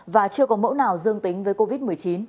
và chưa có mẫu nào dương tính với covid một mươi chín